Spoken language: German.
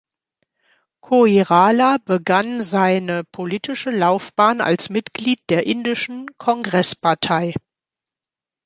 Koirala begann seine politische Laufbahn als Mitglied der indischen Kongresspartei.